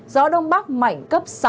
gió đông bắc mạnh cấp sáu